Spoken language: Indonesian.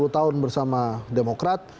sepuluh tahun bersama demokrat